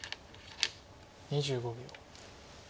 ２５秒。